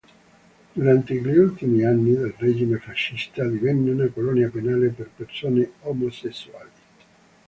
Durante gli ultimi anni del regime fascista divenne una colonia penale per persone omosessuali.